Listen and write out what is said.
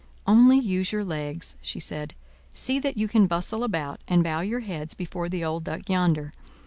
"Only use your legs," she said. "See that you can bustle about, and bow your heads before the old Duck yonder.